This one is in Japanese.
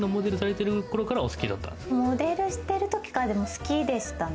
モデルしてる時から好きでしたね。